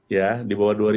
ya di bawah dua ribu